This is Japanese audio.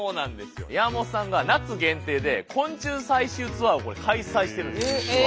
山本さんが夏限定で昆虫採集ツアーを開催してるんです実は。